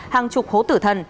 hàng chục hố tử thần